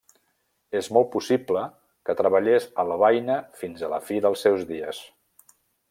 És molt possible que treballés a Lovaina fins a la fi dels seus dies.